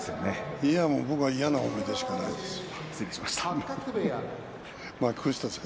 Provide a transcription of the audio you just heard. いや僕は嫌な思い出しかないですよ。